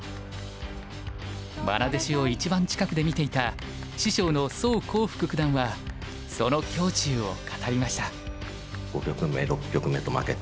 まな弟子を一番近くで見ていた師匠の宋光復九段はその胸中を語りました。